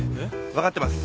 分かってます。